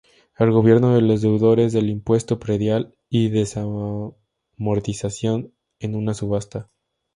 El gobierno de los deudores del impuesto predial y desamortización en una subasta.